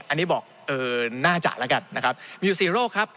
อันนี้บอกเออน่าจะแล้วกันนะครับมีอยู่๔โรคครับ